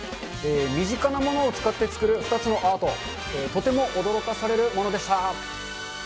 身近なものを使って作る２つのアート、とても驚かされるものでした。